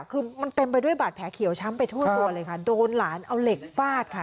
คือมันเต็มไปด้วยบาดแผลเขียวช้ำไปทั่วตัวเลยค่ะโดนหลานเอาเหล็กฟาดค่ะ